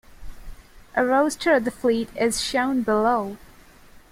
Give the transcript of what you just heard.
A roster of the fleet is shown below.